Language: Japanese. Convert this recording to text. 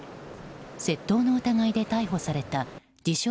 窃盗の疑いで逮捕された自称